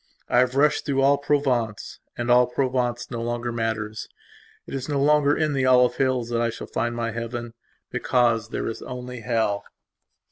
I have rushed through all Provenceand all Provence no longer matters. It is no longer in the olive hills that I shall find my Heaven; because there is only Hell...